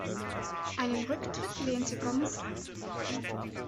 Einen Rücktritt lehnte Gomes ab.